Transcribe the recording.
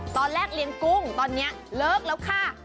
ตอนแรกเลี้ยงกุ้งตอนนี้เลิกแล้วค่ะ